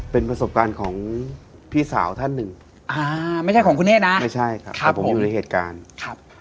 เป็นประสบการณ์ของพี่สาวท่านหนึ่งอ่าไม่ใช่ของคุณเนธนะไม่ใช่ครับแต่ผมอยู่ในเหตุการณ์ครับ